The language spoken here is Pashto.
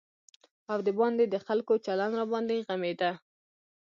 او د باندې د خلکو چلند راباندې غمېده.